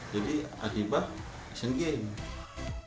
jadi adibah asian games